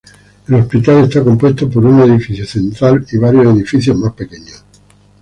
El hospital está compuesto por un edificio central y varios edificios más pequeños.